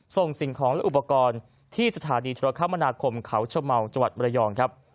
ส่งสิ่งของและอุปกรณ์ที่สถานีธุรกรรมนาคมเขาชะเมาจบรยอง